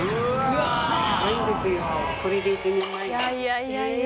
いやいや。